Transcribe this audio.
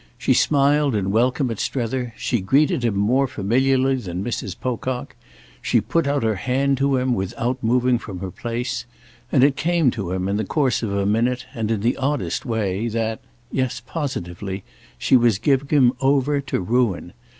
She smiled in welcome at Strether; she greeted him more familiarly than Mrs. Pocock; she put out her hand to him without moving from her place; and it came to him in the course of a minute and in the oddest way that—yes, positively—she was giving him over to ruin.